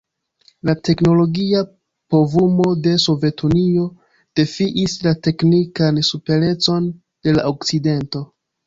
La teknologia povumo de Sovetunio defiis la teknikan superecon de la Okcidento.